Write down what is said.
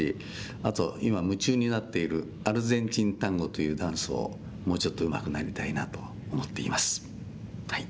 あと今夢中になっているアルゼンチンタンゴというダンスをもうちょっとうまくなりたいなと思っています。